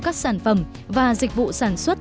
các sản phẩm và dịch vụ sản xuất